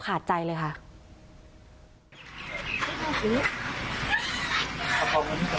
ขอบคุณครับ